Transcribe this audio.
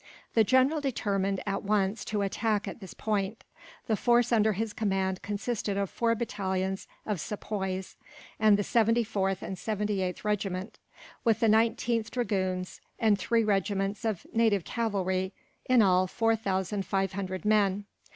The general determined, at once, to attack at this point. The force under his command consisted of four battalions of Sepoys, and the 74th and 78th Regiments; with the 19th Dragoons, and three regiments of native cavalry in all, four thousand five hundred men.